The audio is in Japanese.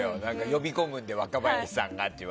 呼び込むので若林さんがって。